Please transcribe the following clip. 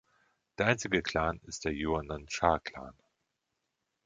Der einzige Clan ist der Yeonan-Cha-Clan.